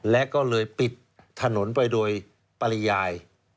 และก็เลยปิดถนนไปโดยปริยาย